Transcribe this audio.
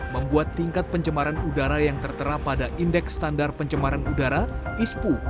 membuat tingkat pencemaran udara yang tertera pada indeks standar pencemaran udara ispu